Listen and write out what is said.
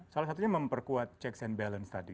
salah satunya memperkuat cek simpanan